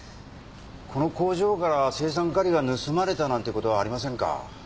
この工場から青酸カリが盗まれたなんてことはありませんか？